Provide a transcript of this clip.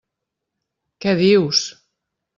Què dius!